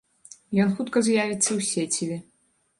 Ён хутка з'явіцца ў сеціве.